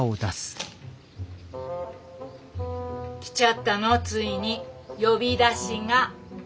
来ちゃったのついに呼び出しが。